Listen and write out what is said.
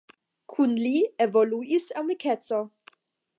Kun li evoluis amikeco.